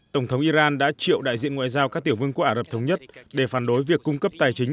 tổng thống iran đã triệu đại diện ngoại giao các tiểu vương quốc ả rập thống nhất để phản đối việc cung cấp tài chính